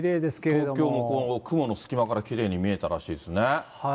東京も雲の隙間からきれいに見えたらしいですね。